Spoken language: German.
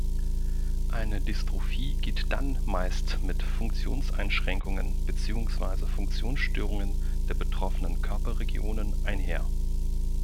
Eine Dystrophie geht dann meist mit Funktionseinschränkungen beziehungsweise Funktionsstörungen der betroffenen Körperregionen einher.